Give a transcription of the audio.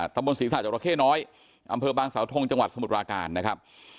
ตะบนศรีษะจากระเข้น้อยอำเภอบางสาวทงจังหวัดสมุทรปราการนะครับ